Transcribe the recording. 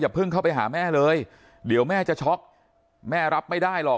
เพิ่งเข้าไปหาแม่เลยเดี๋ยวแม่จะช็อกแม่รับไม่ได้หรอก